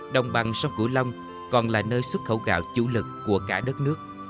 đồng bằng sông cửu long còn là nơi xuất khẩu gạo chủ lực của cả đất nước